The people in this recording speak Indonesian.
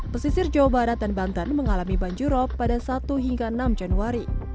pesisir jawa barat dan banten mengalami banjirop pada satu hingga enam januari